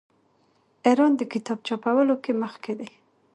ایران د کتاب چاپولو کې مخکې دی.